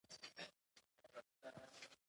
هغې وویل محبت یې د کوڅه په څېر ژور دی.